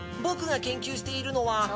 僕が研究しているのは。